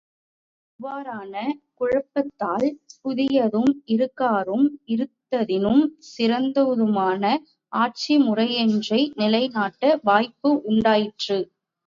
இவ்வாறான, குழப்பத்தால் புதியதும், இதுகாறும் இருந்ததினும், சிறந்ததுமான ஆட்சி முறையொன்றை நிலைநாட்ட வாய்ப்பு உண்டாயிற்று.